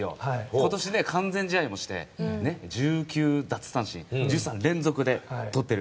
今年、完全試合もして１９奪三振１３連続でとってる。